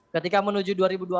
ketika menuju dua ribu dua puluh